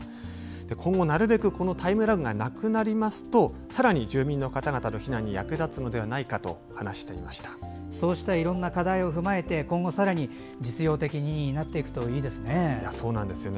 今後、なるべくタイムラグがなくなりますとさらに住民の方々の避難に役立つのではないかといろんな課題を踏まえて今後、さらに実用的になっていくといいですね。